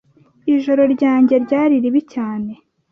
Ijoro ryanjye ryari ribi cyane.